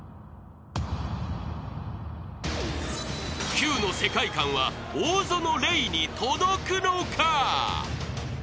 ［キュウの世界観は大園玲に届くのか？］